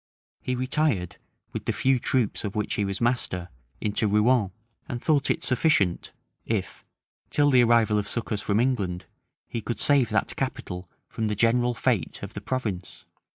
He retired, with the few troops of which he was master, into Rouen; and thought it sufficient, if, till the arrival of succors from England, he could save that capital from the general fate of the province.